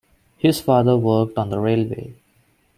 His father worked on the railway.